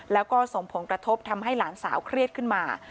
แล้วก็ส่งผลกระทบทำให้หลานสาวเครียดขึ้นมา